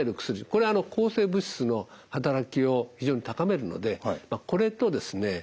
これは抗生物質の働きを非常に高めるのでこれとですね